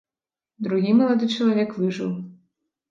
Другі малады чалавек выжыў.